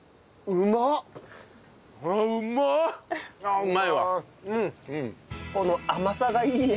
うまいね。